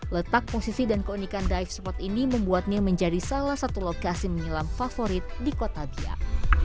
letak posisi dan keunikan dive spot ini membuatnya menjadi salah satu lokasi menyelam favorit di kota biak